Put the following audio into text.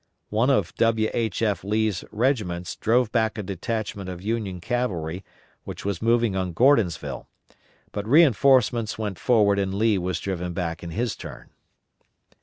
One of W. H. F. Lee's regiments drove back a detachment of Union cavalry which was moving on Gordonsville, but reinforcements went forward and Lee was driven back in his turn.